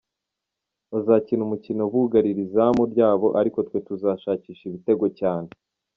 Bazakina umukino bugarira izamu ryabo ariko twe tuzashakisha ibitego cyane.